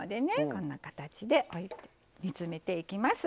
こんな形で置いて煮詰めていきます。